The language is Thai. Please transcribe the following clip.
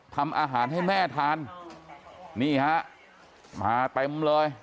ทำอาหารให้แม่ทานนี่ฮะมาเต็มเลย